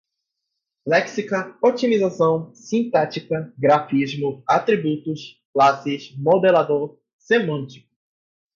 léxica, otimização, sintática, grafismo, atributos, classes, modelador, semântico